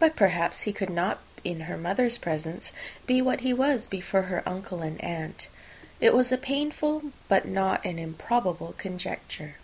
But, perhaps, he could not in her mother's presence be what he was before her uncle and aunt. It was a painful, but not an improbable, conjecture.